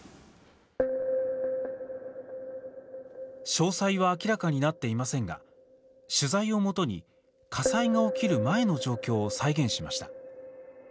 詳細は明らかになっていませんが取材を基に、火災が起きる前の状況を再現しました。